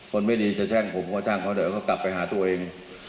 คนไม่ดีจะแช่งผมก็ช่างเขาเดี๋ยวก็กลับไปหาตัวเอง